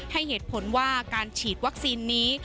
ให้เหตุผลว่าการฉีดวัคซีนนี้